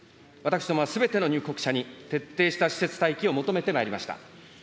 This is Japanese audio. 私どもはすべての入国者に徹底した施設待機を求めてまいりました。